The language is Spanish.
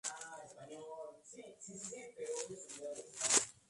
Bolivar y varias tiendas en sus diferentes calles.